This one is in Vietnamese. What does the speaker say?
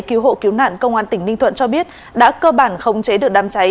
cứu hộ cứu nạn công an tỉnh ninh thuận cho biết đã cơ bản khống chế được đám cháy